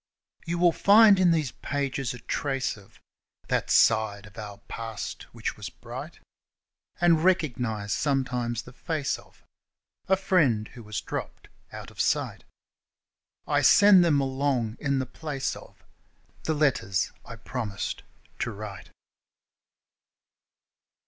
You will find in these pages a trace of That side of our past which was bright, And recognise sometimes the face of A friend who has dropped out of sight I send them along in the place of The letters I promised to write.